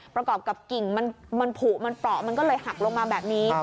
ประกอบกับกิ่งมันผูกมันเปราะมันก็เลยหักลงมาแบบนี้